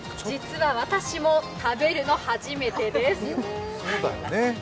実は私も食べるの、初めてです。